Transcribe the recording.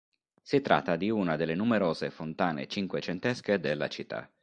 Si tratta di una delle numerose fontane cinquecentesche della città.